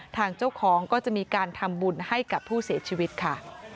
ทางเจ้าของก็จะมีการทำบุญให้กับผู้เสียชีวิตค่ะ